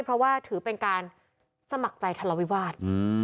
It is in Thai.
เพราะว่าถือเป็นการสมัครใจทะเลาวิวาส